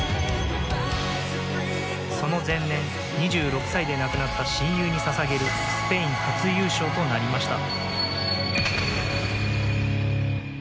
その前年、２６歳で亡くなった親友に捧げるスペイン初優勝となりました。